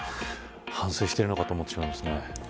反省しているのかと思ってしまいますね。